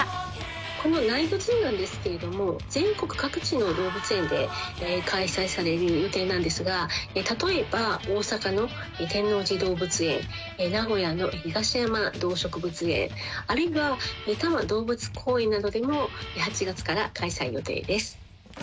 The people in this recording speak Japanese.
このナイトズーなんですけれども、全国各地の動物園で開催される予定なんですが、例えば、大阪の天王寺動物園、名古屋の東山動植物園、あるいは多摩動物公園などでも８月から開催予定です。